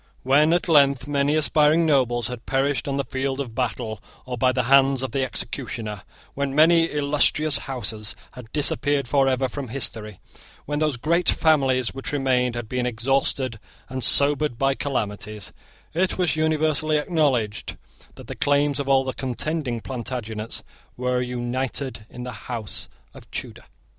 When, at length, many aspiring nobles had perished on the field of battle or by the hands of the executioner, when many illustrious houses had disappeared forever from history, when those great families which remained had been exhausted and sobered by calamities, it was universally acknowledged that the claims of all the contending Plantagenets were united in the house of Tudor.